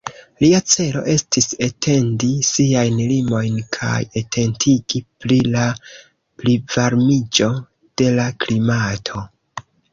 Lia celo estis etendi siajn limojn, kaj atentigi pri la plivarmiĝo de la klimato.